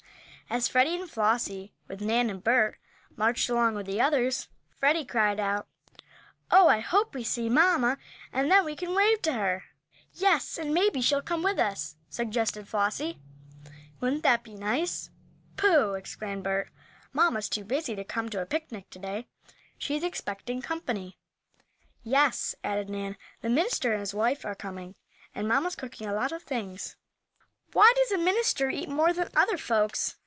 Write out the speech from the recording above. As Freddie and Flossie, with Nan and Bert, marched along with the others, Freddie cried out: "Oh, I hope we see mamma, and then we can wave to her." "Yes, and maybe she'll come with us," suggested Flossie. "Wouldn't that be nice?" "Pooh!" exclaimed Bert. "Mamma's too busy to come to a picnic today. She's expecting company." "Yes," added Nan, "the minister and his wife are coming, and mamma's cooking a lot of things." "Why, does a minister eat more than other folks?"